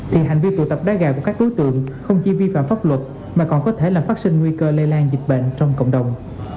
thì hành vi tụ tập đá gà của các đối tượng không chỉ vi phạm pháp luật mà còn có thể làm phát sinh nguy cơ lây lan dịch bệnh trong cộng đồng